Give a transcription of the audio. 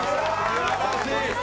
すばらしい！